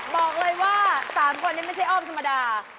บอกเลยว่า๓คนนี้ไม่ใช่อ้อมธรรมดา